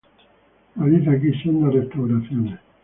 Realiza aquí sendas restauraciones.